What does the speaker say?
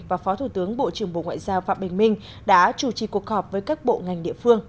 và phó thủ tướng bộ trưởng bộ ngoại giao phạm bình minh đã chủ trì cuộc họp với các bộ ngành địa phương